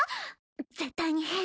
絶対に変。